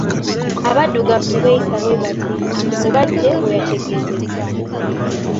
"Abadduggavu tebeeyisa bwebati," Mubajje bweyategeezezza.